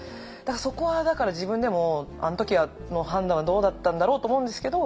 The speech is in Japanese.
そこはだから自分でもあの時の判断はどうだったんだろうと思うんですけど